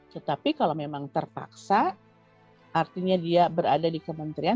tetapi kalau memang terpaksa artinya dia berada di kementerian